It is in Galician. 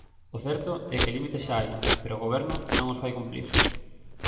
O certo é que límites xa hai, pero o Goberno non os fai cumprir.